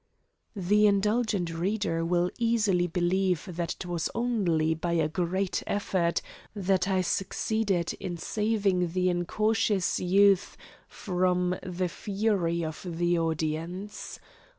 The indulgent reader will easily believe that it was only by a great effort that I succeeded in saving the incautious youth from the fury of the audience.